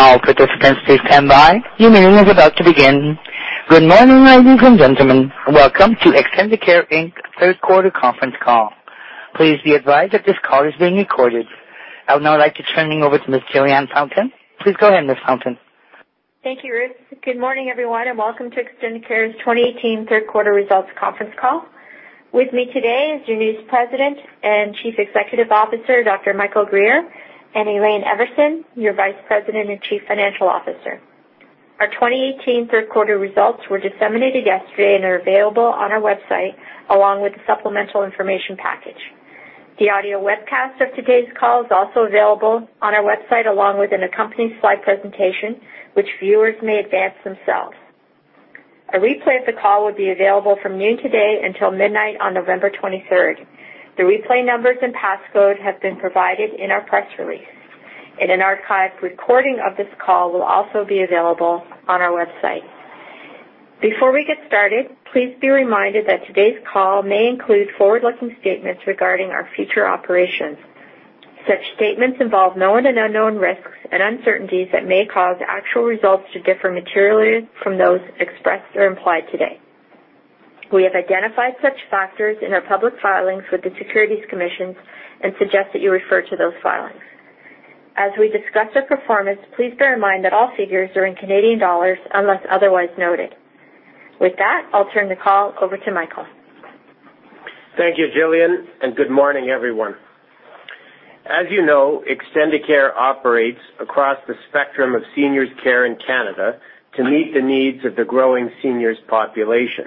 All participants, please stand by. Your meeting is about to begin. Good morning, ladies and gentlemen. Welcome to Extendicare Inc.'s third quarter conference call. Please be advised that this call is being recorded. I would now like to turn things over to Ms. Jillian Fountain. Please go ahead, Ms. Fountain. Thank you, Ruth. Good morning, everyone, and welcome to Extendicare's 2018 third quarter results conference call. With me today is your new President and Chief Executive Officer, Dr. Michael Guerriere, and Elaine Everson, your Vice President and Chief Financial Officer. Our 2018 third quarter results were disseminated yesterday and are available on our website, along with the supplemental information package. The audio webcast of today's call is also available on our website, along with an accompanying slide presentation which viewers may advance themselves. A replay of the call will be available from noon today until midnight on November 23rd. The replay numbers and passcode have been provided in our press release. An archived recording of this call will also be available on our website. Before we get started, please be reminded that today's call may include forward-looking statements regarding our future operations. Such statements involve known and unknown risks and uncertainties that may cause actual results to differ materially from those expressed or implied today. We have identified such factors in our public filings with the Securities Commission and suggest that you refer to those filings. As we discuss our performance, please bear in mind that all figures are in Canadian dollars, unless otherwise noted. With that, I'll turn the call over to Michael. Thank you, Jillian, and good morning, everyone. As you know, Extendicare operates across the spectrum of seniors care in Canada to meet the needs of the growing seniors population.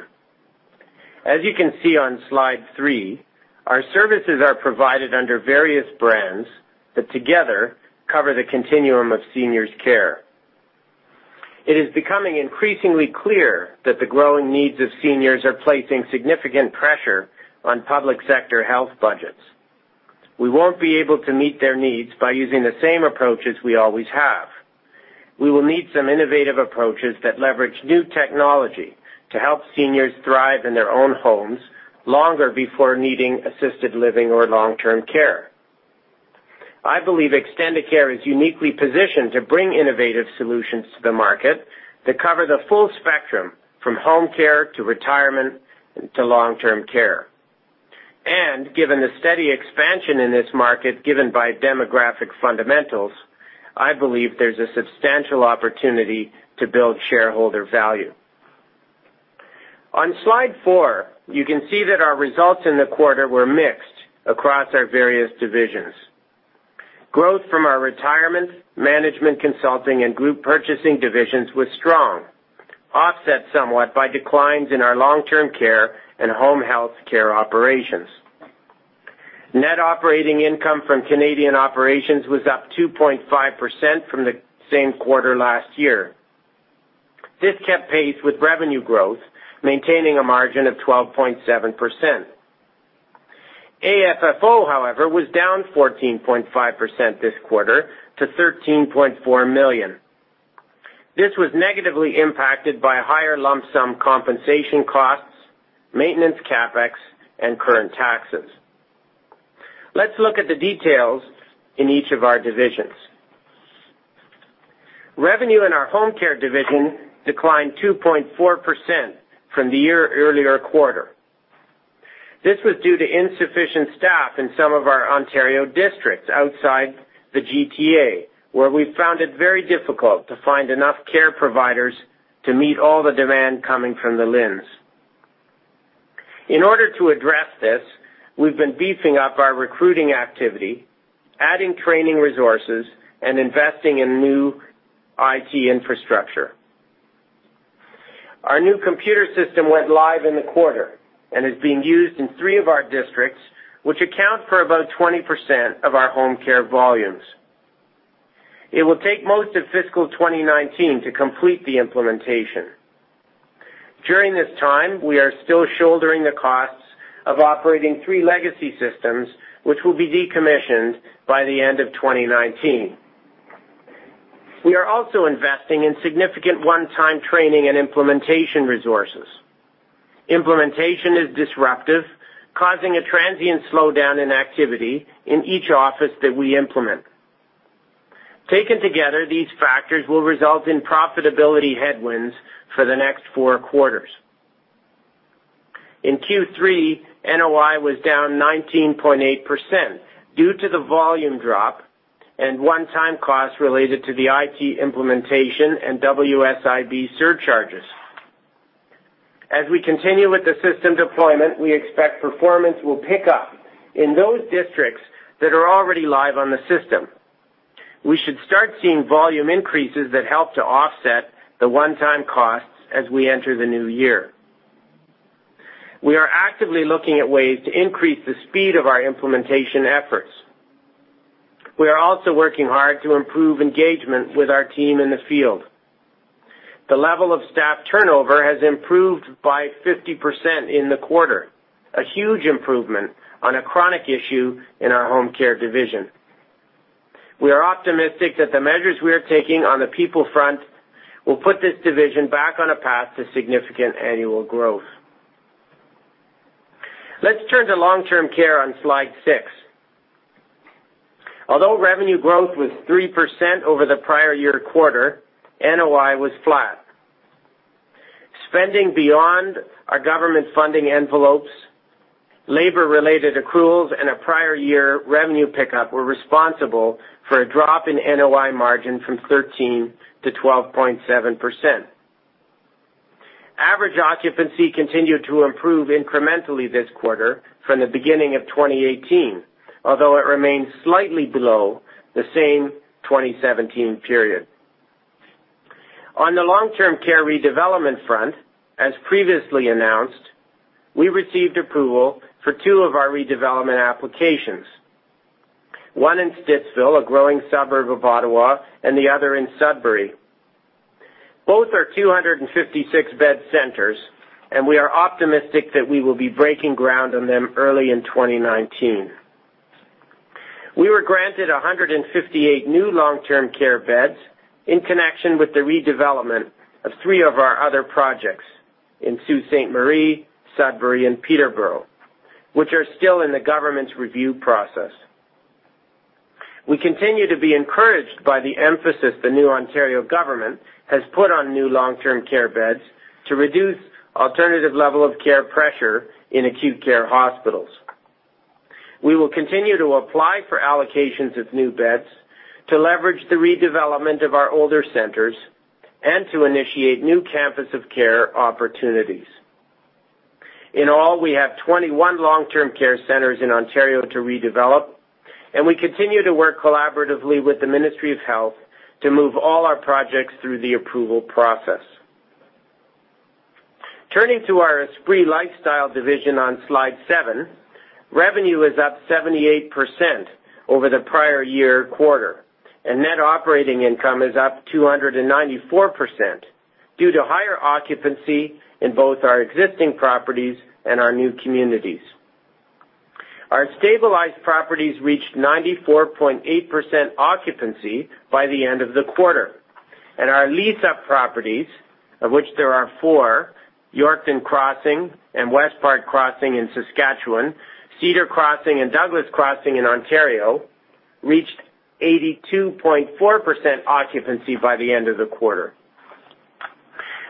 As you can see on slide three, our services are provided under various brands that together cover the continuum of seniors care. It is becoming increasingly clear that the growing needs of seniors are placing significant pressure on public sector health budgets. We won't be able to meet their needs by using the same approaches we always have. We will need some innovative approaches that leverage new technology to help seniors thrive in their own homes longer before needing assisted living or long-term care. I believe Extendicare is uniquely positioned to bring innovative solutions to the market that cover the full spectrum, from home care to retirement to long-term care. Given the steady expansion in this market given by demographic fundamentals, I believe there's a substantial opportunity to build shareholder value. On slide four, you can see that our results in the quarter were mixed across our various divisions. Growth from our retirement, management consulting, and group purchasing divisions was strong, offset somewhat by declines in our long-term care and home health care operations. Net operating income from Canadian operations was up 2.5% from the same quarter last year. This kept pace with revenue growth, maintaining a margin of 12.7%. AFFO, however, was down 14.5% this quarter to 13.4 million. This was negatively impacted by higher lump sum compensation costs, maintenance CapEx, and current taxes. Let's look at the details in each of our divisions. Revenue in our home care division declined 2.4% from the year earlier quarter. This was due to insufficient staff in some of our Ontario districts outside the GTA, where we found it very difficult to find enough care providers to meet all the demand coming from the LHINs. In order to address this, we've been beefing up our recruiting activity, adding training resources, and investing in new IT infrastructure. Our new computer system went live in the quarter and is being used in three of our districts, which account for about 20% of our home care volumes. It will take most of fiscal 2019 to complete the implementation. During this time, we are still shouldering the costs of operating three legacy systems, which will be decommissioned by the end of 2019. We are also investing in significant one-time training and implementation resources. Implementation is disruptive, causing a transient slowdown in activity in each office that we implement. Taken together, these factors will result in profitability headwinds for the next four quarters. In Q3, NOI was down 19.8% due to the volume drop and one-time costs related to the IT implementation and WSIB surcharges. As we continue with the system deployment, we expect performance will pick up in those districts that are already live on the system. We should start seeing volume increases that help to offset the one-time costs as we enter the new year. We are actively looking at ways to increase the speed of our implementation efforts. We are also working hard to improve engagement with our team in the field. The level of staff turnover has improved by 50% in the quarter, a huge improvement on a chronic issue in our home care division. We are optimistic that the measures we are taking on the people front will put this division back on a path to significant annual growth. Let's turn to long-term care on slide six. Although revenue growth was 3% over the prior year quarter, NOI was flat. Spending beyond our government funding envelopes, labor-related accruals, and a prior year revenue pickup were responsible for a drop in NOI margin from 13% to 12.7%. Average occupancy continued to improve incrementally this quarter from the beginning of 2018, although it remains slightly below the same 2017 period. On the long-term care redevelopment front, as previously announced, we received approval for two of our redevelopment applications, one in Stittsville, a growing suburb of Ottawa, and the other in Sudbury. Both are 256-bed centers, and we are optimistic that we will be breaking ground on them early in 2019. We were granted 158 new long-term care beds in connection with the redevelopment of three of our other projects in Sault Ste. Marie, Sudbury, and Peterborough, which are still in the government's review process. We continue to be encouraged by the emphasis the new Ontario government has put on new long-term care beds to reduce alternative level of care pressure in acute care hospitals. We will continue to apply for allocations of new beds to leverage the redevelopment of our older centers and to initiate new campus of care opportunities. In all, we have 21 long-term care centers in Ontario to redevelop, and we continue to work collaboratively with the Ministry of Health to move all our projects through the approval process. Turning to our Esprit Lifestyle division on slide seven, revenue is up 78% over the prior year quarter, and net operating income is up 294% due to higher occupancy in both our existing properties and our new communities. Our stabilized properties reached 94.8% occupancy by the end of the quarter, and our lease-up properties, of which there are four, Yorkton Crossing and Westpark Crossing in Saskatchewan, Cedar Crossing and Douglas Crossing in Ontario, reached 82.4% occupancy by the end of the quarter.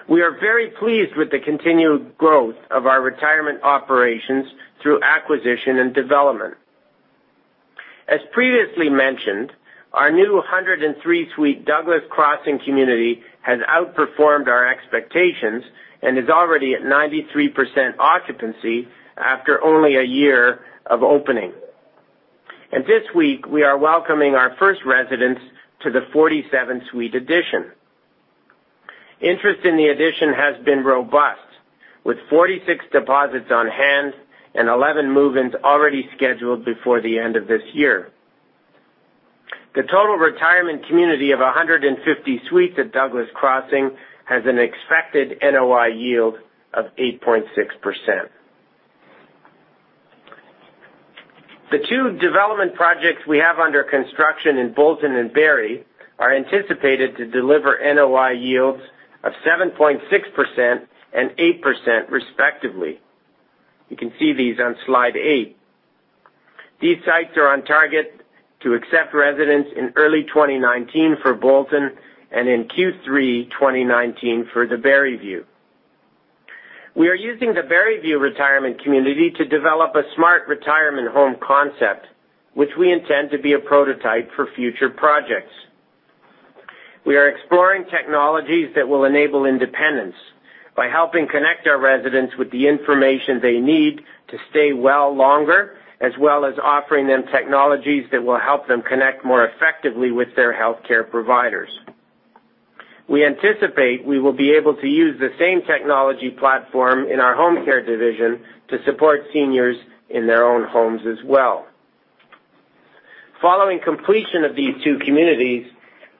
We are very pleased with the continued growth of our retirement operations through acquisition and development. As previously mentioned, our new 103-suite Douglas Crossing community has outperformed our expectations and is already at 93% occupancy after only a year of opening. And this week, we are welcoming our first residents to the 47-suite addition. Interest in the addition has been robust, with 46 deposits on hand and 11 move-ins already scheduled before the end of this year. The total retirement community of 150 suites at Douglas Crossing has an expected NOI yield of 8.6%. The two development projects we have under construction in Bolton and Barrie are anticipated to deliver NOI yields of 7.6% and 8%, respectively. You can see these on slide eight. These sites are on target to accept residents in early 2019 for Bolton and in Q3 2019 for the Barrie View. We are using the Barrie View retirement community to develop a smart retirement home concept, which we intend to be a prototype for future projects. We are exploring technologies that will enable independence by helping connect our residents with the information they need to stay well longer, as well as offering them technologies that will help them connect more effectively with their healthcare providers. We anticipate we will be able to use the same technology platform in our home care division to support seniors in their own homes as well. Following completion of these two communities,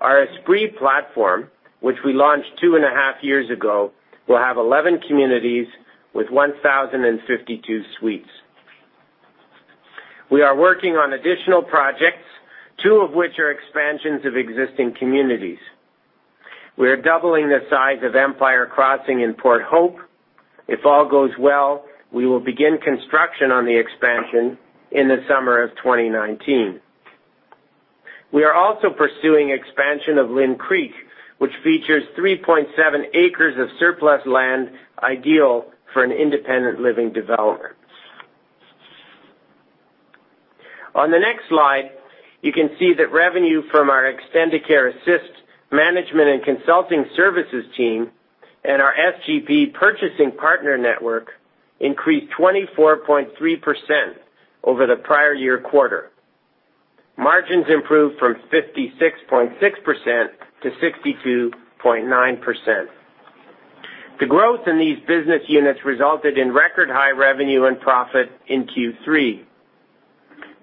our Esprit platform, which we launched two and a half years ago, will have 11 communities with 1,052 suites. We are working on additional projects, two of which are expansions of existing communities. We are doubling the size of Empire Crossing in Port Hope. If all goes well, we will begin construction on the expansion in the summer of 2019. We are also pursuing expansion of Lynde Creek, which features 3.7 acres of surplus land ideal for an independent living development. On the next slide, you can see that revenue from our Extendicare Assist Management and Consulting Services team and our SGP Purchasing Partner Network increased 24.3% over the prior year quarter. Margins improved from 56.6% to 62.9%. The growth in these business units resulted in record-high revenue and profit in Q3.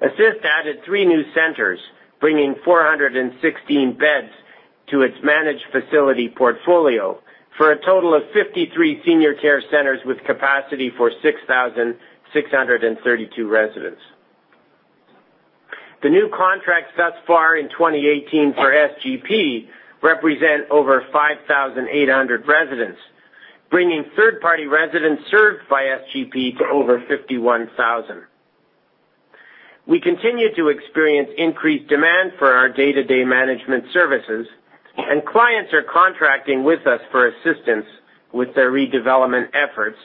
Assist added three new centers, bringing 416 beds to its managed facility portfolio for a total of 53 senior care centers with capacity for 6,632 residents. The new contracts thus far in 2018 for SGP represent over 5,800 residents, bringing third-party residents served by SGP to over 51,000. We continue to experience increased demand for our day-to-day management services, and clients are contracting with us for assistance with their redevelopment efforts,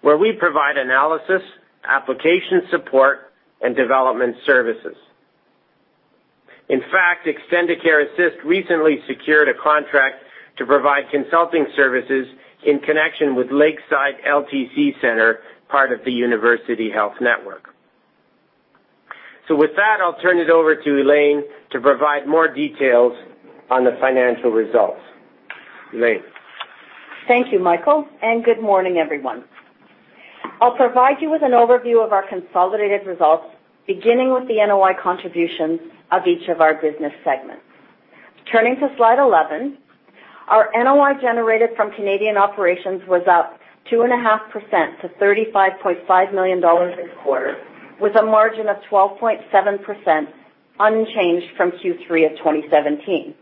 where we provide analysis, application support, and development services. In fact, Extendicare Assist recently secured a contract to provide consulting services in connection with Lakeside LTC Center, part of the University Health Network. With that, I'll turn it over to Elaine to provide more details on the financial results. Elaine. Thank you, Michael, and good morning, everyone. I'll provide you with an overview of our consolidated results, beginning with the NOI contributions of each of our business segments. Turning to slide 11. Our NOI generated from Canadian operations was up two and a half% to 35.5 million dollars this quarter, with a margin of 12.7%, unchanged from Q3 of 2017.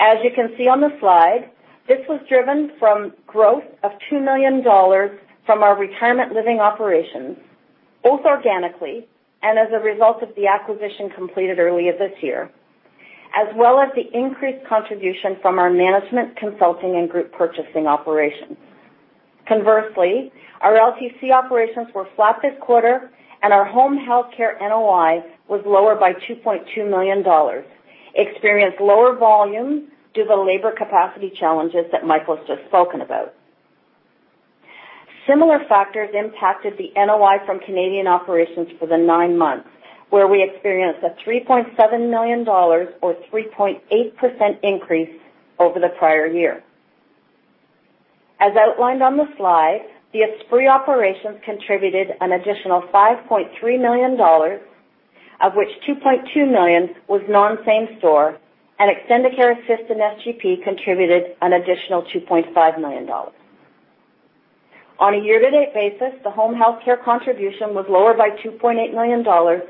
As you can see on the slide, this was driven from growth of 2 million dollars from our retirement living operations, both organically and as a result of the acquisition completed earlier this year, as well as the increased contribution from our management, consulting, and group purchasing operations. Conversely, our LTC operations were flat this quarter, and our home health care NOI was lower by 2.2 million dollars, experienced lower volume due to labor capacity challenges that Michael's just spoken about. Similar factors impacted the NOI from Canadian operations for the nine months, where we experienced a 3.7 million dollars or 3.8% increase over the prior year. As outlined on the slide, the Esprit operations contributed an additional 5.3 million dollars, of which 2.2 million was non-same store, and Extendicare Assist and SGP contributed an additional 2.5 million dollars. On a year-to-date basis, the home health care contribution was lower by 2.8 million dollars,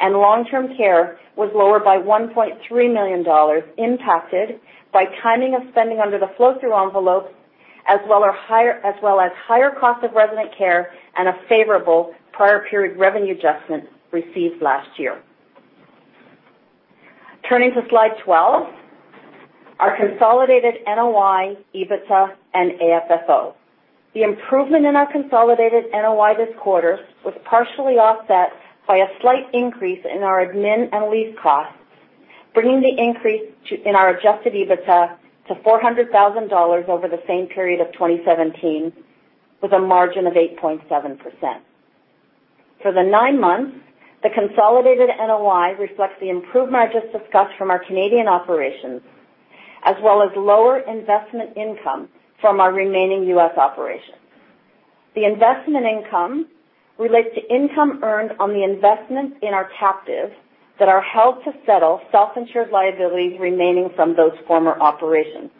and long-term care was lower by 1.3 million dollars, impacted by timing of spending under the flow-through envelope, as well as higher cost of resident care and a favorable prior period revenue adjustment received last year. Turning to slide 12, our consolidated NOI, EBITDA, and AFFO. The improvement in our consolidated NOI this quarter was partially offset by a slight increase in our admin and lease costs, bringing the increase in our adjusted EBITDA to 400,000 dollars over the same period of 2017, with a margin of 8.7%. For the nine months, the consolidated NOI reflects the improvement I just discussed from our Canadian operations, as well as lower investment income from our remaining U.S. operations. The investment income relates to income earned on the investments in our captive that are held to settle self-insured liabilities remaining from those former operations.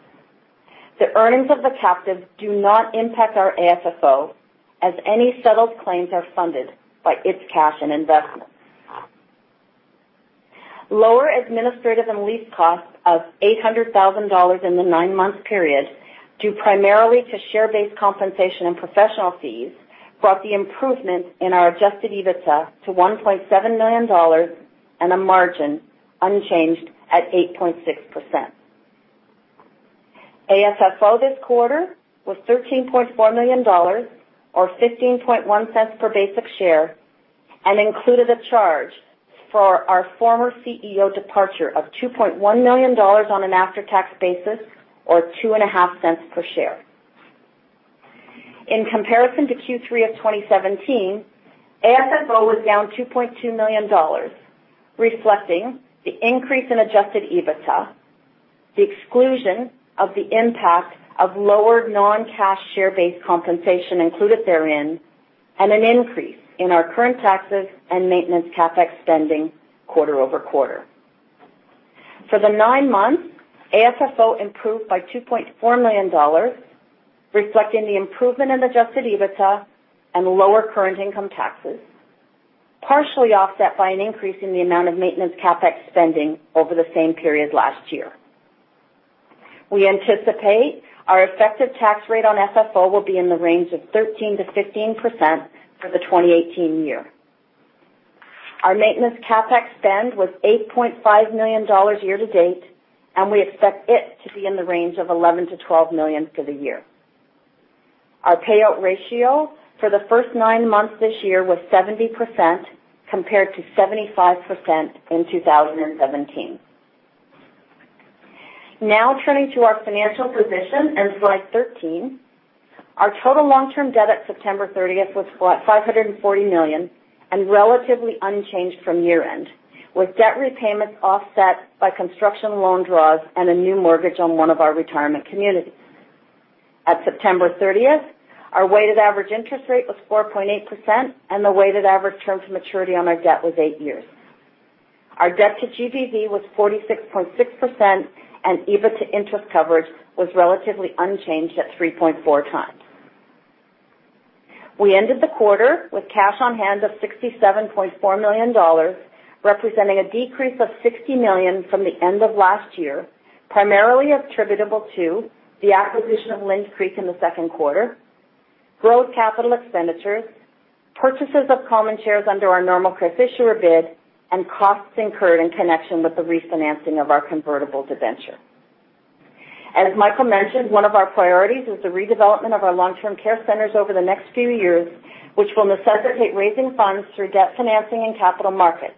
The earnings of the captive do not impact our AFFO, as any settled claims are funded by its cash and investments. Lower administrative and lease costs of 800,000 dollars in the nine-month period, due primarily to share-based compensation and professional fees, brought the improvement in our adjusted EBITDA to 1.7 million dollars and a margin unchanged at 8.6%. AFFO this quarter was 13.4 million dollars or 0.151 per basic share and included a charge for our former CEO departure of 2.1 million dollars on an after-tax basis or 0.025 per share. In comparison to Q3 of 2017, AFFO was down 2.2 million dollars, reflecting the increase in adjusted EBITDA, the exclusion of the impact of lower non-cash share-based compensation included therein, and an increase in our current taxes and maintenance CapEx spending quarter-over-quarter. For the nine months, AFFO improved by 2.4 million dollars, reflecting the improvement in adjusted EBITDA and lower current income taxes, partially offset by an increase in the amount of maintenance CapEx spending over the same period last year. We anticipate our effective tax rate on AFFO will be in the range of 13%-15% for the 2018 year. Our maintenance CapEx spend was 8.5 million dollars year to date, and we expect it to be in the range of 11 million-12 million for the year. Our payout ratio for the first nine months this year was 70%, compared to 75% in 2017. Turning to our financial position in slide 13. Our total long-term debt at September 30th was 540 million and relatively unchanged from year-end, with debt repayments offset by construction loan draws and a new mortgage on one of our retirement communities. At September 30th, our weighted average interest rate was 4.8%, and the weighted average term to maturity on our debt was eight years. Our debt to GBV was 46.6%, and EBITDA to interest coverage was relatively unchanged at 3.4 times. We ended the quarter with cash on hand of 67.4 million dollars, representing a decrease of 60 million from the end of last year, primarily attributable to the acquisition of Lynde Creek in the second quarter, growth capital expenditures, purchases of common shares under our Normal Course Issuer Bid, and costs incurred in connection with the refinancing of our convertible debenture. As Michael mentioned, one of our priorities is the redevelopment of our long-term care centers over the next few years, which will necessitate raising funds through debt financing and capital markets.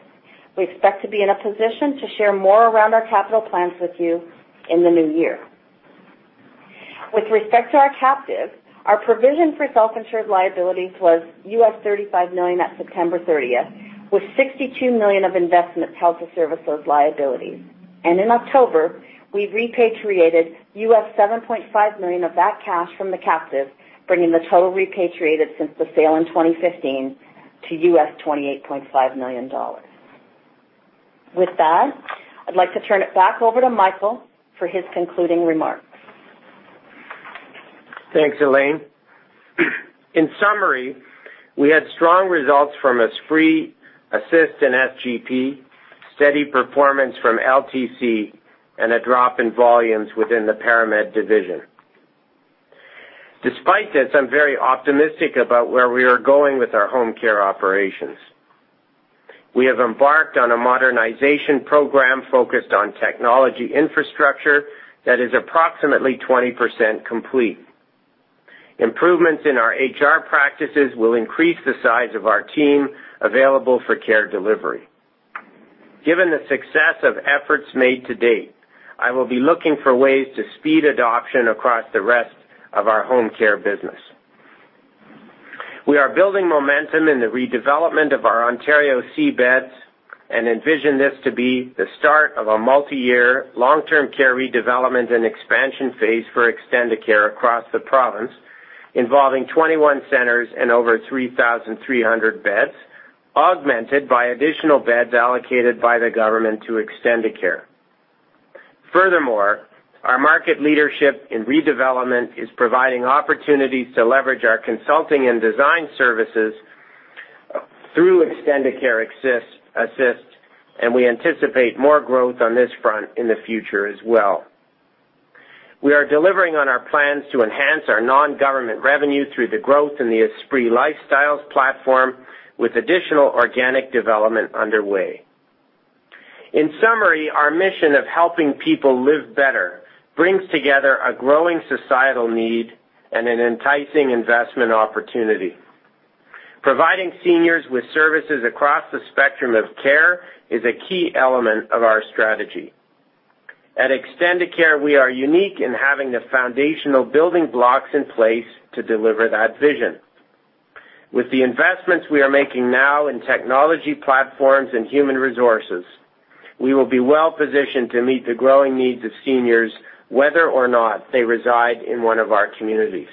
We expect to be in a position to share more around our capital plans with you in the new year. With respect to our captive, our provision for self-insured liabilities was $35 million at September 30th, with 62 million of investments held to service those liabilities. In October, we repatriated $7.5 million of that cash from the captive, bringing the total repatriated since the sale in 2015 to $28.5 million. With that, I'd like to turn it back over to Michael for his concluding remarks. Thanks, Elaine. In summary, we had strong results from Esprit, Assist, and SGP, steady performance from LTC, and a drop in volumes within the ParaMed division. Despite this, I'm very optimistic about where we are going with our home care operations. We have embarked on a modernization program focused on technology infrastructure that is approximately 20% complete. Improvements in our HR practices will increase the size of our team available for care delivery. Given the success of efforts made to date, I will be looking for ways to speed adoption across the rest of our home care business. We are building momentum in the redevelopment of our Ontario C beds and envision this to be the start of a multi-year long-term care redevelopment and expansion phase for Extendicare across the province, involving 21 centers and over 3,300 beds, augmented by additional beds allocated by the government to Extendicare. Furthermore, our market leadership in redevelopment is providing opportunities to leverage our consulting and design services through Extendicare Assist, and we anticipate more growth on this front in the future as well. We are delivering on our plans to enhance our non-government revenue through the growth in the Esprit Lifestyle platform with additional organic development underway. In summary, our mission of helping people live better brings together a growing societal need and an enticing investment opportunity. Providing seniors with services across the spectrum of care is a key element of our strategy. At Extendicare, we are unique in having the foundational building blocks in place to deliver that vision. With the investments we are making now in technology platforms and human resources, we will be well positioned to meet the growing needs of seniors, whether or not they reside in one of our communities.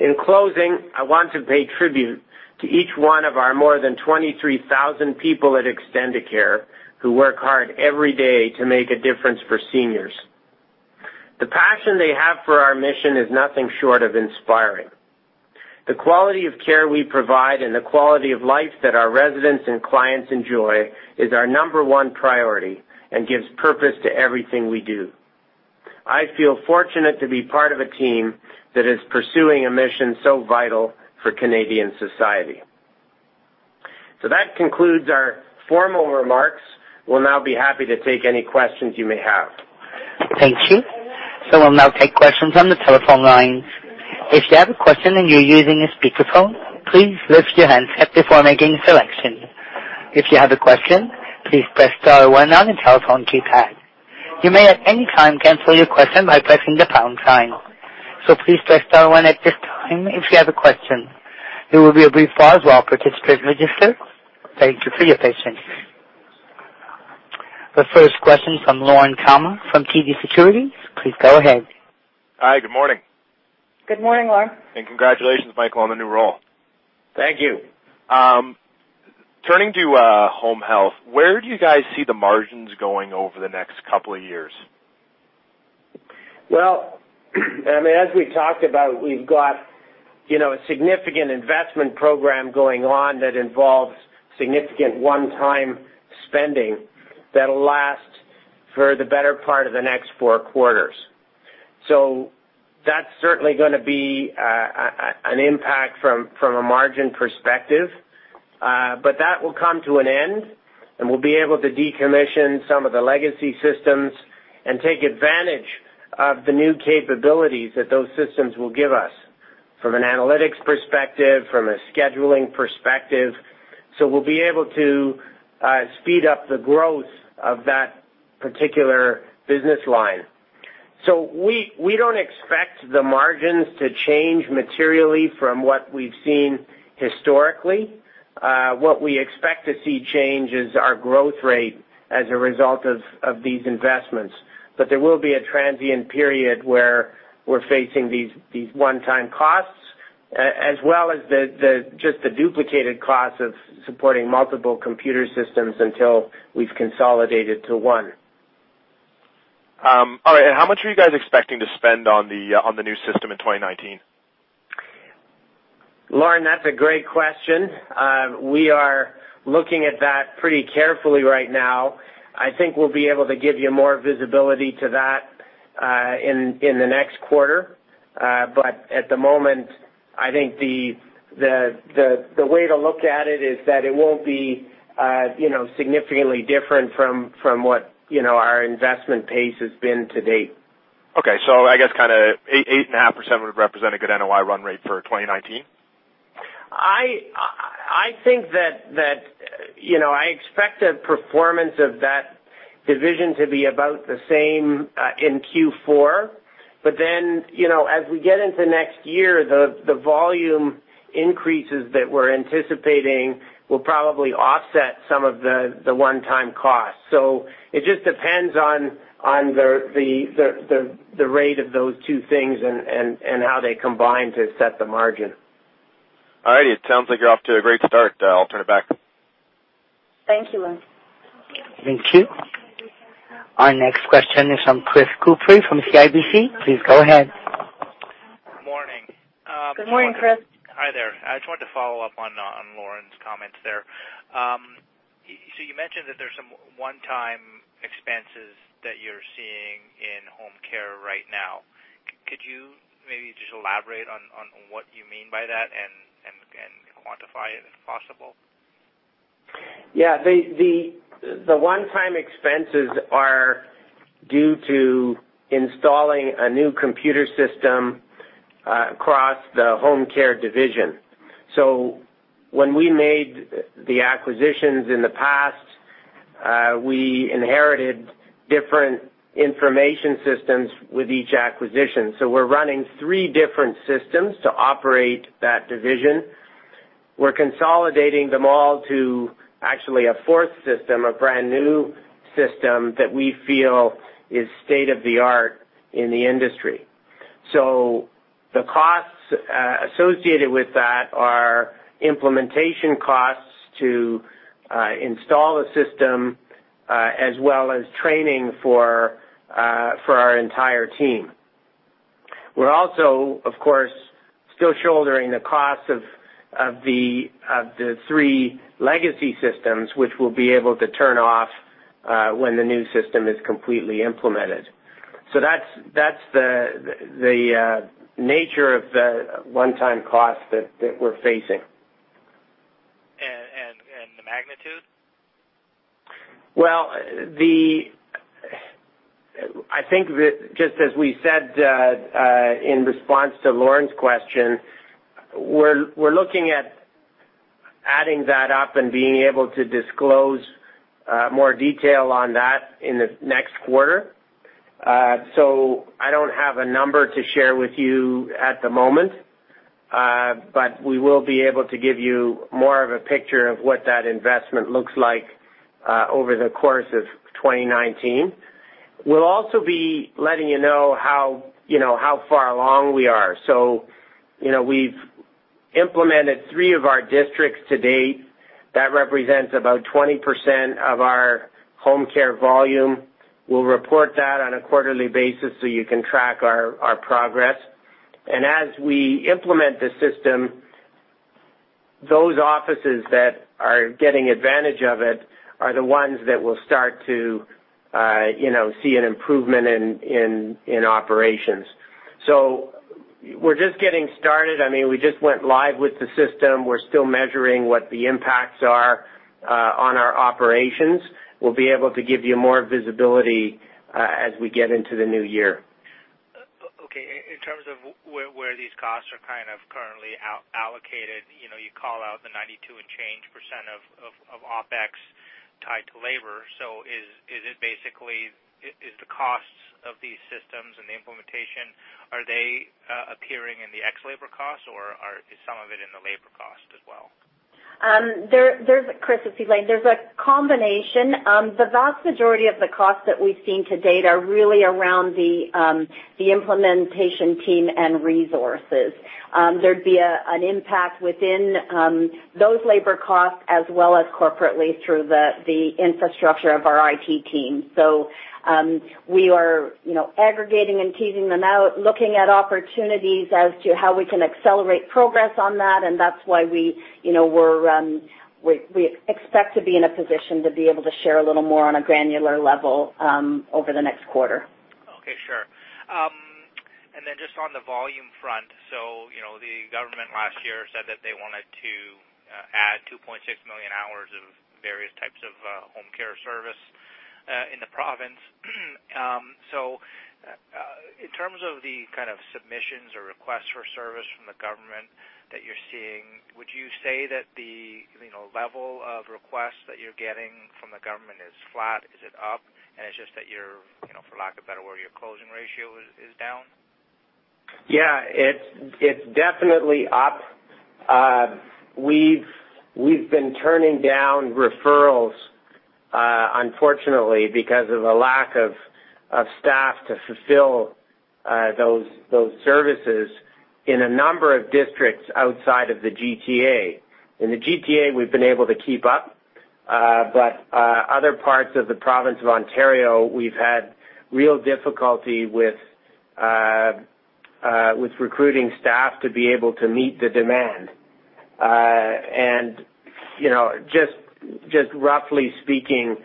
In closing, I want to pay tribute to each one of our more than 23,000 people at Extendicare who work hard every day to make a difference for seniors. The passion they have for our mission is nothing short of inspiring. The quality of care we provide and the quality of life that our residents and clients enjoy is our number one priority and gives purpose to everything we do. I feel fortunate to be part of a team that is pursuing a mission so vital for Canadian society. That concludes our formal remarks. We'll now be happy to take any questions you may have. Thank you. We'll now take questions on the telephone lines. If you have a question and you're using a speakerphone, please lift your handset before making a selection. If you have a question, please press star one on your telephone keypad. You may at any time cancel your question by pressing the pound sign. Please press star one at this time if you have a question. There will be a brief pause while participants register. Thank you for your patience. The first question from Lorne Kalmar from TD Securities. Please go ahead. Hi. Good morning. Good morning, Lorne. Congratulations, Michael, on the new role. Thank you. Turning to home health, where do you guys see the margins going over the next couple of years? As we talked about, we've got a significant investment program going on that involves significant one-time spending that'll last for the better part of the next four quarters. That's certainly going to be an impact from a margin perspective. That will come to an end, and we'll be able to decommission some of the legacy systems and take advantage of the new capabilities that those systems will give us from an analytics perspective, from a scheduling perspective. We'll be able to speed up the growth of that particular business line. We don't expect the margins to change materially from what we've seen historically. What we expect to see change is our growth rate as a result of these investments. There will be a transient period where we're facing these one-time costs, as well as just the duplicated costs of supporting multiple computer systems until we've consolidated to one. All right. How much are you guys expecting to spend on the new system in 2019? Lorne, that's a great question. We are looking at that pretty carefully right now. I think we'll be able to give you more visibility to that in the next quarter. At the moment, I think the way to look at it is that it won't be significantly different from what our investment pace has been to date. Okay. I guess kind of 8.5% would represent a good NOI run rate for 2019? I expect the performance of that division to be about the same in Q4. As we get into next year, the volume increases that we're anticipating will probably offset some of the one-time costs. It just depends on the rate of those two things and how they combine to set the margin. All right. It sounds like you're off to a great start. I'll turn it back. Thank you, Lorne. Thank you. Our next question is from Chris Couprie from CIBC. Please go ahead. Morning. Good morning, Chris. Hi there. I just wanted to follow up on Lorne's comments there. You mentioned that there's some one-time expenses that you're seeing in home care right now. Could you maybe just elaborate on what you mean by that and quantify it, if possible? Yeah. The one-time expenses are due to installing a new computer system across the home care division. When we made the acquisitions in the past, we inherited different information systems with each acquisition. We're running three different systems to operate that division. We're consolidating them all to actually a fourth system, a brand-new system that we feel is state-of-the-art in the industry. The costs associated with that are implementation costs to install the system as well as training for our entire team. We're also, of course, still shouldering the cost of the three legacy systems, which we'll be able to turn off when the new system is completely implemented. That's the nature of the one-time cost that we're facing. The magnitude? Well, I think that just as we said in response to Lorne's question, we're looking at adding that up and being able to disclose more detail on that in the next quarter. I don't have a number to share with you at the moment, but we will be able to give you more of a picture of what that investment looks like over the course of 2019. We'll also be letting you know how far along we are. We've implemented three of our districts to date. That represents about 20% of our home care volume. We'll report that on a quarterly basis so you can track our progress. As we implement the system, those offices that are getting advantage of it are the ones that will start to see an improvement in operations. We're just getting started. We just went live with the system. We're still measuring what the impacts are on our operations. We'll be able to give you more visibility as we get into the new year. Okay. In terms of where these costs are kind of currently allocated, you call out the 92 and change% of OpEx tied to labor. Is the costs of these systems and the implementation, are they appearing in the ex-labor costs, or is some of it in the labor cost as well? Chris, it's Elaine. There's a combination. The vast majority of the costs that we've seen to date are really around the implementation team and resources. There'd be an impact within those labor costs as well as corporately through the infrastructure of our IT team. We are aggregating and teasing them out, looking at opportunities as to how we can accelerate progress on that, and that's why we expect to be in a position to be able to share a little more on a granular level over the next quarter. Okay, sure. Then just on the volume front, the government last year said that they wanted to add 2.6 million hours of various types of home care service in the province. In terms of the kind of submissions or requests for service from the government that you're seeing, would you say that the level of requests that you're getting from the government is flat? Is it up, and it's just that your, for lack of a better word, your closing ratio is down? Yeah. It's definitely up. We've been turning down referrals, unfortunately, because of a lack of staff to fulfill those services in a number of districts outside of the GTA. In the GTA, we've been able to keep up. Other parts of the province of Ontario, we've had real difficulty with recruiting staff to be able to meet the demand. Just roughly speaking,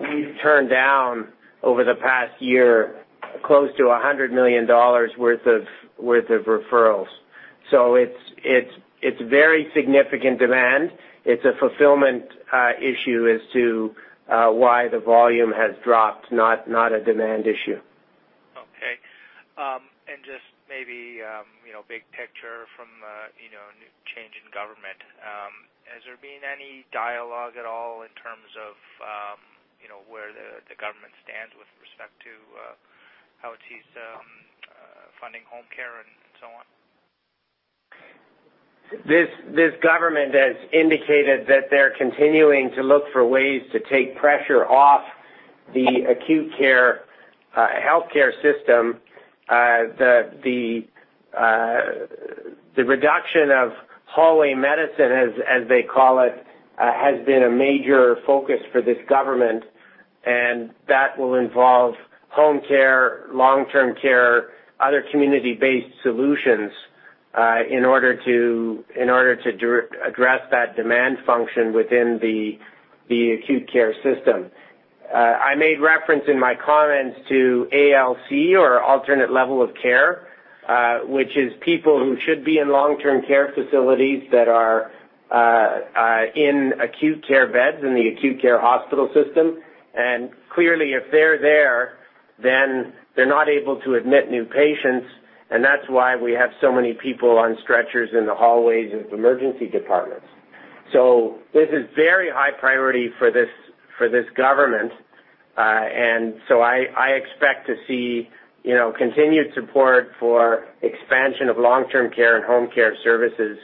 we've turned down over the past year, close to 100 million dollars worth of referrals. It's very significant demand. It's a fulfillment issue as to why the volume has dropped, not a demand issue. Okay. Just maybe, big picture from new change in government. Has there been any dialogue at all in terms of where the government stands with respect to how it sees funding home care and so on? This government has indicated that they're continuing to look for ways to take pressure off the acute care, healthcare system. The reduction of hallway medicine, as they call it, has been a major focus for this government, and that will involve home care, long-term care, other community-based solutions, in order to address that demand function within the acute care system. I made reference in my comments to ALC or alternate level of care, which is people who should be in long-term care facilities that are in acute care beds in the acute care hospital system. Clearly if they're there, then they're not able to admit new patients, and that's why we have so many people on stretchers in the hallways of emergency departments. This is very high priority for this government. I expect to see continued support for expansion of long-term care and home care services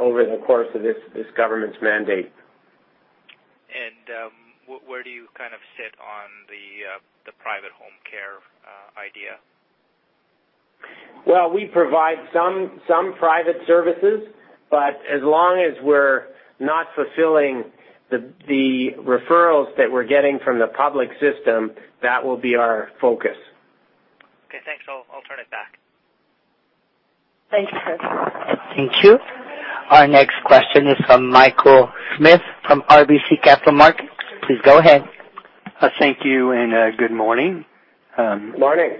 over the course of this government's mandate. Where do you sit on the private home care idea? We provide some private services, but as long as we're not fulfilling the referrals that we're getting from the public system, that will be our focus. Thanks. I'll turn it back. Thanks, Chris. Thank you. Our next question is from Michael Smith from RBC Capital Markets. Please go ahead. Thank you, good morning. Morning.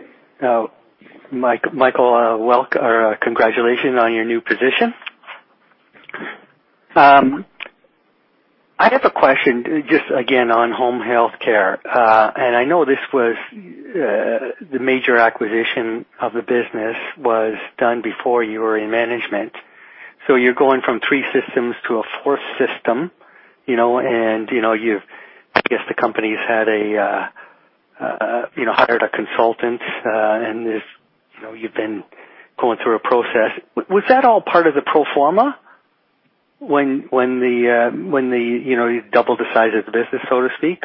Michael, congratulations on your new position. I have a question just again on home healthcare. I know this was the major acquisition of the business was done before you were in management. You're going from three systems to a fourth system, and I guess the company's hired a consultant, and you've been going through a process. Was that all part of the pro forma when you doubled the size of the business, so to speak?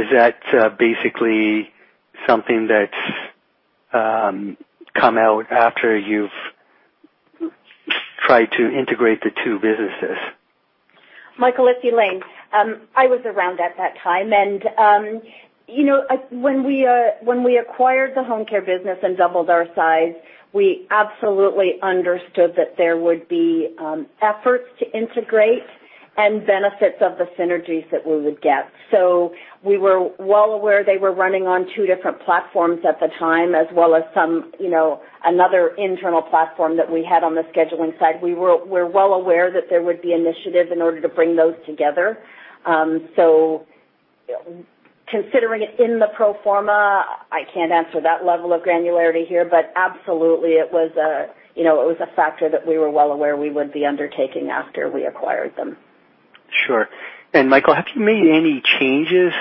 Is that basically something that's come out after you've tried to integrate the two businesses? Michael, it's Elaine. I was around at that time, and when we acquired the home care business and doubled our size, we absolutely understood that there would be efforts to integrate and benefits of the synergies that we would get. We were well aware they were running on two different platforms at the time, as well as another internal platform that we had on the scheduling side. We're well aware that there would be initiative in order to bring those together. Considering it in the pro forma, I can't answer that level of granularity here, but absolutely it was a factor that we were well aware we would be undertaking after we acquired them. Sure. Michael, have you made any changes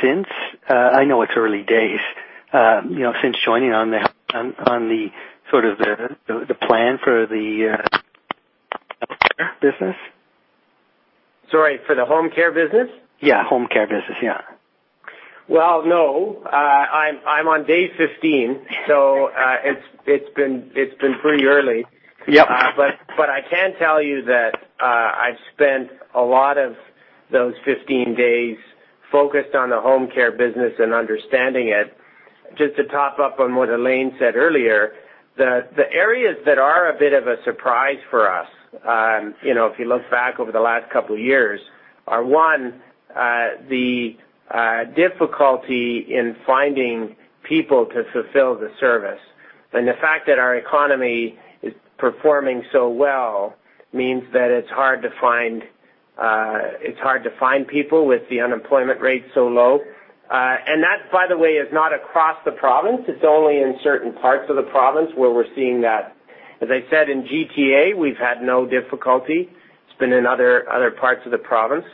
since, I know it's early days, since joining on the sort of the plan for the care business? Sorry, for the home care business? Yeah. Home care business. Yeah. Well, no. I'm on day 15, so it's been pretty early. Yep. I can tell you that I've spent a lot of those 15 days focused on the home care business and understanding it. Just to top up on what Elaine said earlier, the areas that are a bit of a surprise for us, if you look back over the last couple of years, are one, the difficulty in finding people to fulfill the service. The fact that our economy is performing so well means that it's hard to find people with the unemployment rate so low. That, by the way, is not across the province. It's only in certain parts of the province where we're seeing that. As I said, in G.T.A., we've had no difficulty. It's been in other parts of the province.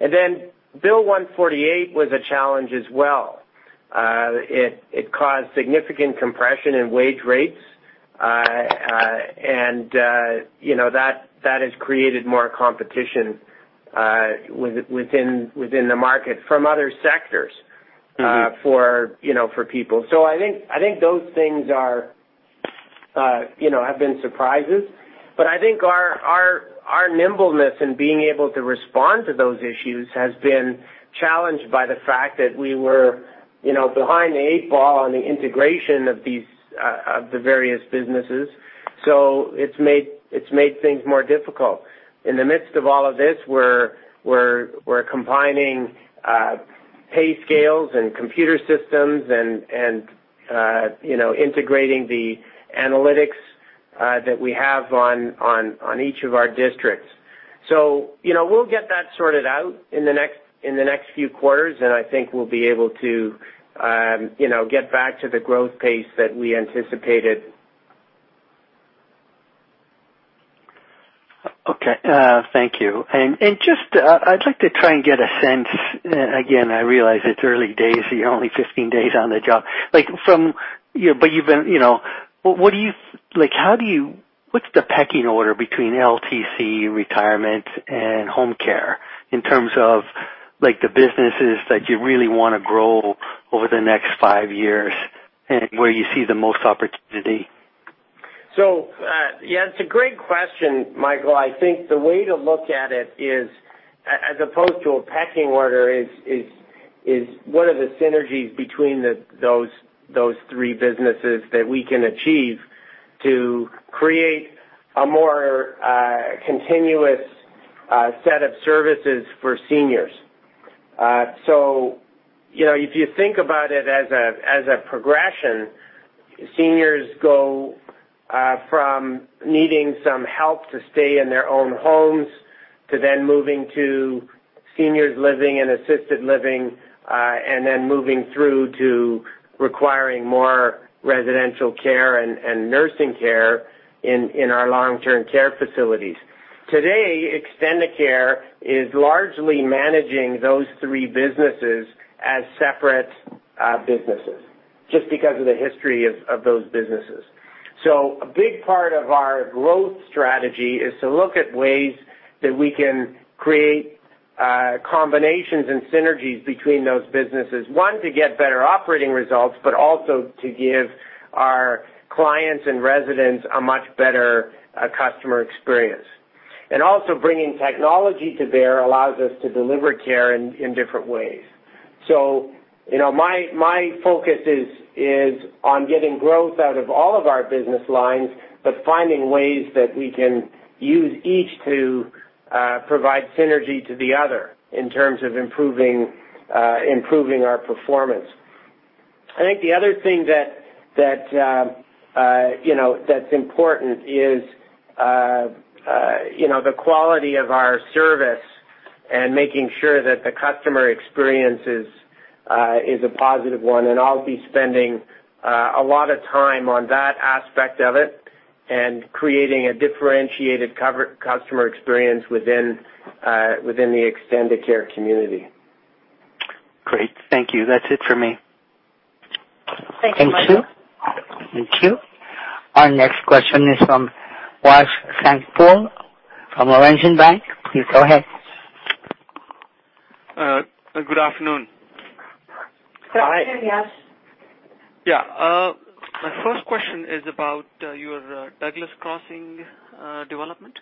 Then Bill 148 was a challenge as well. It caused significant compression in wage rates, and that has created more competition within the market from other sectors. for people. I think those things have been surprises. I think our nimbleness in being able to respond to those issues has been challenged by the fact that we were behind the eight ball on the integration of the various businesses. It's made things more difficult. In the midst of all of this, we're combining pay scales and computer systems and integrating the analytics that we have on each of our districts. We'll get that sorted out in the next few quarters, and I think we'll be able to get back to the growth pace that we anticipated. Okay. Thank you. I'd like to try and get a sense. Again, I realize it's early days, you're only 15 days on the job. What's the pecking order between LTC, retirement, and home care in terms of the businesses that you really want to grow over the next five years, and where you see the most opportunity? Yeah, it's a great question, Michael. I think the way to look at it is, as opposed to a pecking order, is what are the synergies between those three businesses that we can achieve to create a more continuous set of services for seniors? If you think about it as a progression, seniors go from needing some help to stay in their own homes, to then moving to seniors living in assisted living, and then moving through to requiring more residential care and nursing care in our long-term care facilities. Today, Extendicare is largely managing those three businesses as separate businesses, just because of the history of those businesses. A big part of our growth strategy is to look at ways that we can create combinations and synergies between those businesses. One, to get better operating results, but also to give our clients and residents a much better customer experience. Also bringing technology to bear allows us to deliver care in different ways. My focus is on getting growth out of all of our business lines, but finding ways that we can use each to provide synergy to the other, in terms of improving our performance. I think the other thing that's important is the quality of our service and making sure that the customer experience is a positive one, and I'll be spending a lot of time on that aspect of it, and creating a differentiated customer experience within the Extendicare community. Great. Thank you. That's it for me. Thank you, Michael. Thank you. Thank you. Our next question is from Yash Sankpal from Laurentian Bank. Please go ahead. Good afternoon. Hi. Go ahead, Yash. Yeah. My first question is about your Douglas Crossing development.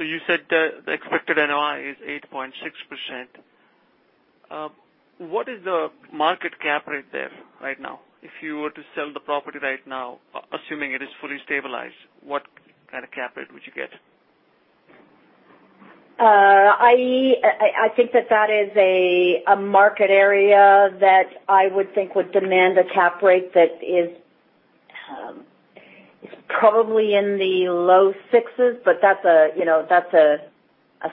You said the expected NOI is 8.6%. What is the market cap rate there right now? If you were to sell the property right now, assuming it is fully stabilized, what kind of cap rate would you get? I think that is a market area that I would think would demand a cap rate that is probably in the low sixes, that's a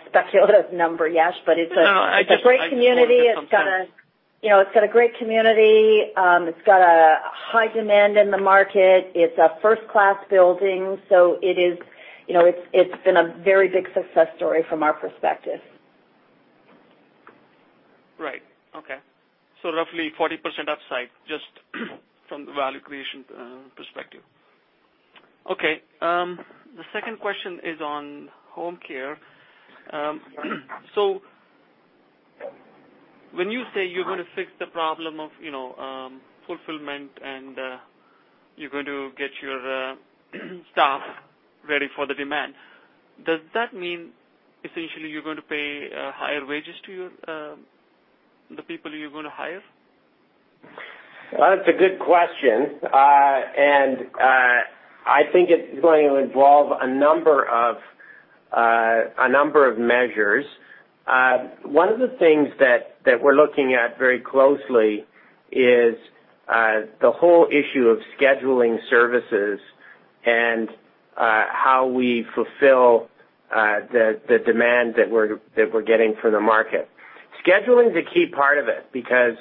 speculative number, Yash. It's. No, I just A great community. It's got a great community. It's got a high demand in the market. It's a first-class building. It's been a very big success story from our perspective. Right. Okay. Roughly 40% upside, just from the value creation perspective. Okay. The second question is on home care. When you say you're going to fix the problem of fulfillment and you're going to get your staff ready for the demand, does that mean essentially you're going to pay higher wages to the people you're going to hire? That's a good question, and I think it's going to involve a number of measures. One of the things that we're looking at very closely is the whole issue of scheduling services and how we fulfill the demand that we're getting from the market. Scheduling is a key part of it because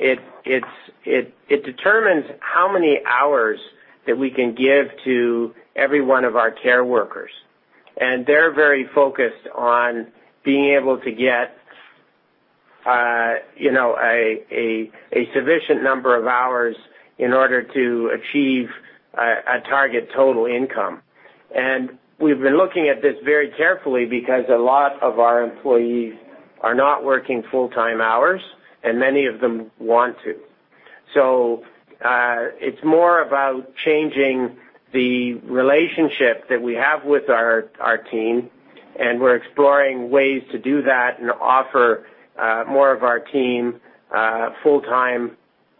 it determines how many hours that we can give to every one of our care workers, and they're very focused on being able to get a sufficient number of hours in order to achieve a target total income. And we've been looking at this very carefully because a lot of our employees are not working full-time hours, and many of them want to. It's more about changing the relationship that we have with our team, and we're exploring ways to do that and offer more of our team a full-time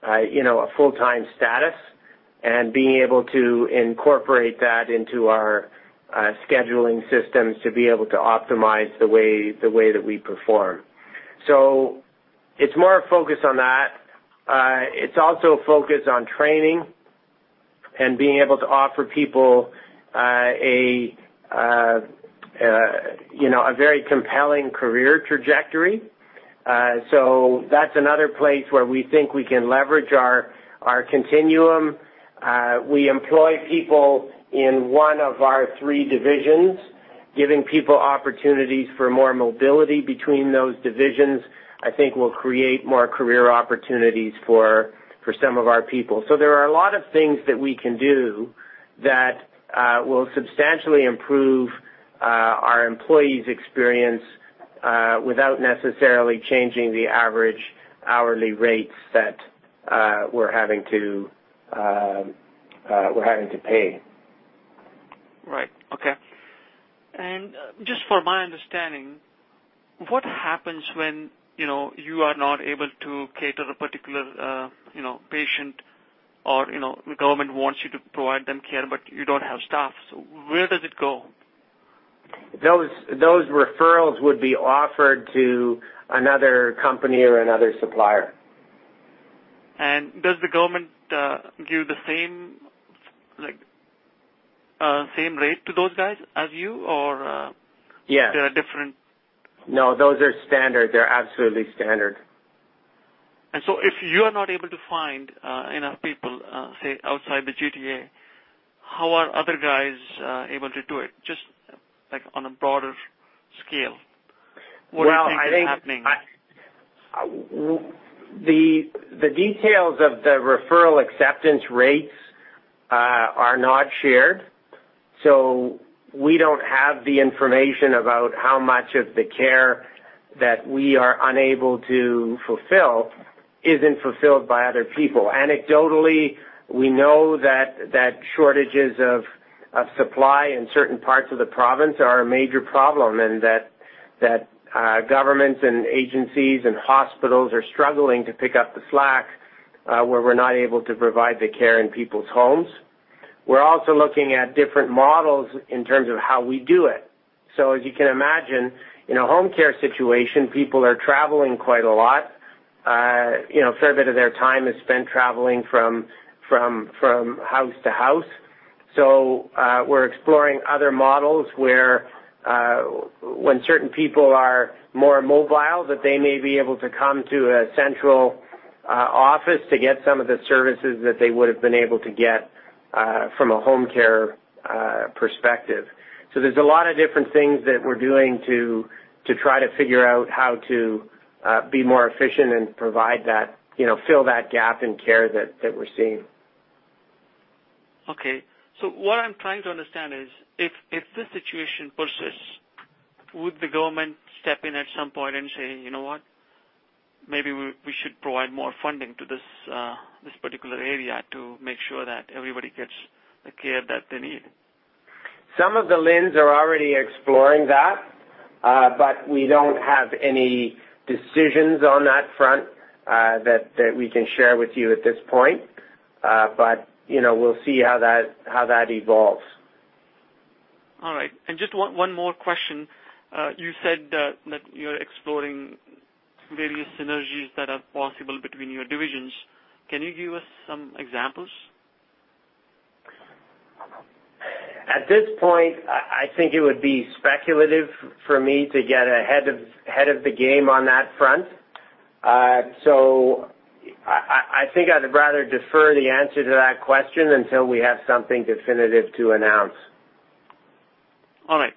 status and being able to incorporate that into our scheduling systems to be able to optimize the way that we perform. It's more a focus on that. It's also a focus on training and being able to offer people a very compelling career trajectory. That's another place where we think we can leverage our continuum. We employ people in one of our three divisions. Giving people opportunities for more mobility between those divisions, I think, will create more career opportunities for some of our people. There are a lot of things that we can do that will substantially improve our employees' experience without necessarily changing the average hourly rates that we're having to pay. Right. Okay. Just for my understanding, what happens when you are not able to cater to a particular patient or the government wants you to provide them care, but you don't have staff, so where does it go? Those referrals would be offered to another company or another supplier. Does the government give the same rate to those guys as you? Yes. They are different? No, those are standard. They're absolutely standard. If you are not able to find enough people, say, outside the GTA, how are other guys able to do it? On a broader scale, what do you think is happening? The details of the referral acceptance rates are not shared, so we don't have the information about how much of the care that we are unable to fulfill isn't fulfilled by other people. Anecdotally, we know that shortages of supply in certain parts of the province are a major problem and that governments and agencies and hospitals are struggling to pick up the slack where we're not able to provide the care in people's homes. We're also looking at different models in terms of how we do it. As you can imagine, in a home care situation, people are traveling quite a lot. A fair bit of their time is spent traveling from house to house. We're exploring other models where when certain people are more mobile, that they may be able to come to a central office to get some of the services that they would've been able to get from a home care perspective. There's a lot of different things that we're doing to try to figure out how to be more efficient and fill that gap in care that we're seeing. Okay. What I'm trying to understand is, if this situation persists, would the government step in at some point and say, "You know what? Maybe we should provide more funding to this particular area to make sure that everybody gets the care that they need. Some of the LHINs are already exploring that. We don't have any decisions on that front that we can share with you at this point. We'll see how that evolves. All right. Just one more question. You said that you're exploring various synergies that are possible between your divisions. Can you give us some examples? At this point, I think it would be speculative for me to get ahead of the game on that front. I think I'd rather defer the answer to that question until we have something definitive to announce. All right.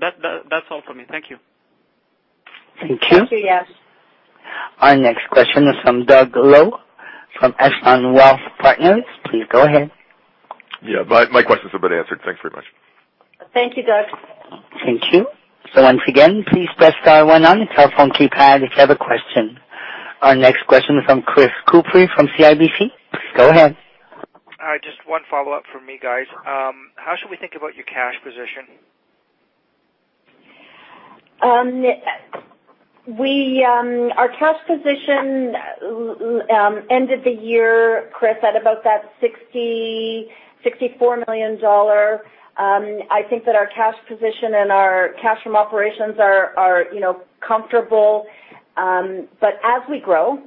That's all for me. Thank you. Thank you. Thank you, Yash. Our next question is from Doug Loe from Echelon Wealth Partners. Please go ahead. Yeah, my questions have been answered. Thanks very much. Thank you, Doug. Thank you. Once again, please press star one on your telephone keypad if you have a question. Our next question is from Chris Couprie from CIBC. Go ahead. All right, just one follow-up from me, guys. How should we think about your cash position? Our cash position ended the year, Chris, at about that 64 million dollar. I think that our cash position and our cash from operations are comfortable. As we grow,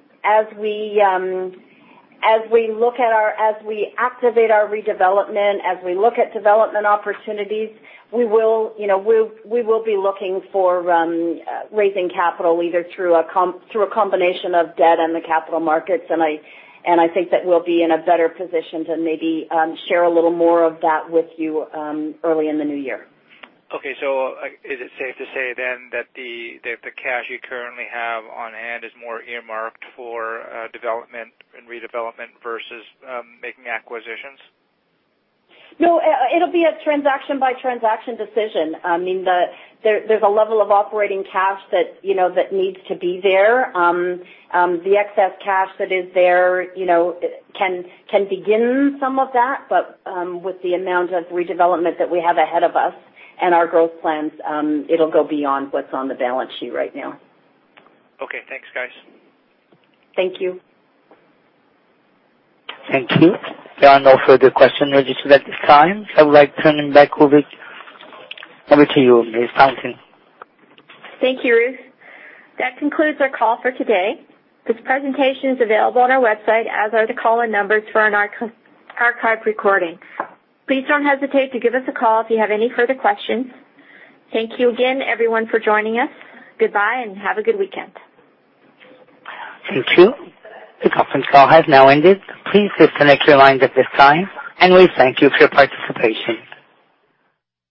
as we activate our redevelopment, as we look at development opportunities, we will be looking for raising capital, either through a combination of debt and the capital markets, I think that we'll be in a better position to maybe share a little more of that with you early in the new year. Okay. Is it safe to say then that the cash you currently have on hand is more earmarked for development and redevelopment versus making acquisitions? No, it'll be a transaction-by-transaction decision. There's a level of operating cash that needs to be there. The excess cash that is there can begin some of that, but with the amount of redevelopment that we have ahead of us and our growth plans, it'll go beyond what's on the balance sheet right now. Okay. Thanks, guys. Thank you. Thank you. There are no further questions registered at this time. I would like to turn it back over to you, Ms. Fountain. Thank you, Ruth. That concludes our call for today. This presentation is available on our website, as are the call-in numbers for an archived recording. Please don't hesitate to give us a call if you have any further questions. Thank you again, everyone, for joining us. Goodbye, and have a good weekend. Thank you. The conference call has now ended. Please disconnect your lines at this time, and we thank you for your participation.